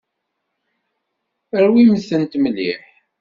Rwimt-tent mliḥ.